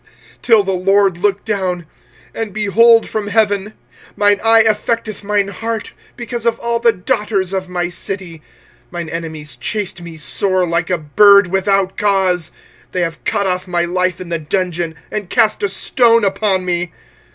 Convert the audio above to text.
25:003:050 Till the LORD look down, and behold from heaven. 25:003:051 Mine eye affecteth mine heart because of all the daughters of my city. 25:003:052 Mine enemies chased me sore, like a bird, without cause. 25:003:053 They have cut off my life in the dungeon, and cast a stone upon me.